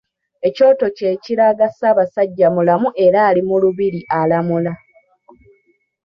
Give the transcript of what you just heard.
Ekyoto kye kilaga Ssaabasajja mulamu era ali mu lubiri alamula.